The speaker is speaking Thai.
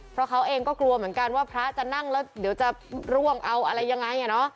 เพราะเขาเองก็กลัวเหมือนกันว่าพระจะนั่งแล้วเดี๋ยวจะร่วงเอาอะไรยังไง